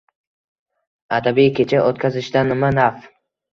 Adabiy kecha o‘tkazishdan nima naf?!